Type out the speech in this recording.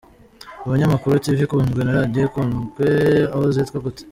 Umunyamakuru: Tv ikunzwe na Radiyo ikunzwe aho zitwa gute?.